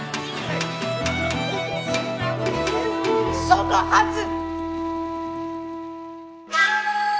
そのはず。